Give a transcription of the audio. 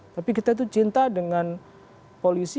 tapi kita itu cinta dengan polisi